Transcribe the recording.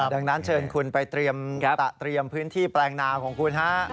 ดังนั้นเชิญคุณไปเตรียมพื้นที่แปลงนาของคุณฮะ